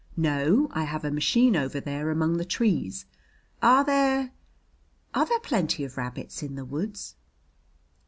"No. I have a machine over there among the trees. Are there are there plenty of rabbits in the woods?"